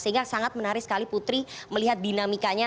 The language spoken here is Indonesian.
sehingga sangat menarik sekali putri melihat dinamikanya